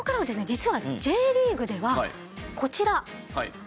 実はＪリーグではこちら。